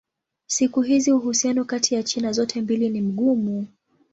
Siku hizi uhusiano kati ya China zote mbili ni mgumu.